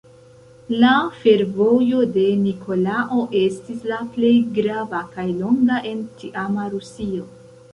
La fervojo de Nikolao estis la plej grava kaj longa en tiama Rusio.